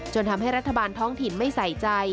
ทำให้รัฐบาลท้องถิ่นไม่ใส่ใจ